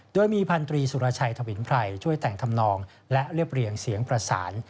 โดยมีพันธรีสุรชัยถวินไพรช่วยแต่งทำนองและเรียบเรียงเสียงประสาน